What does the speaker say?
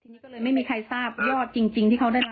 แล้วตำรวจเผยมาทั้งผู้ว่าก็รู้นะ